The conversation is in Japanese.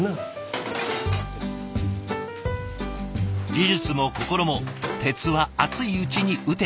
技術も心も「鉄は熱いうちに打て」。